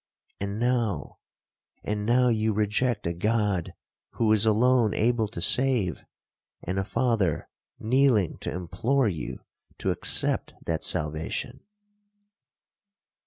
And now—and now you reject a God who is alone able to save, and a father kneeling to implore you to accept that salvation.'